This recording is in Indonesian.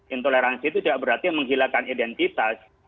intoleransi itu tidak berarti menghilangkan identitas